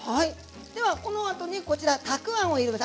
ではこのあとにこちらたくあんを入れます。